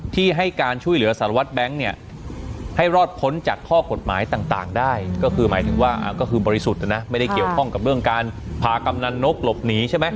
ต่างได้ก็คือหมายถึงว่าก็คือบริสุทธิ์นะไม่ได้เกี่ยวข้องกับเรื่องการผ่ากำนันนกหลบหนีใช่ไหม